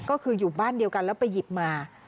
ก็คืออยู่บ้านเดียวกันแล้วไปหยิบมา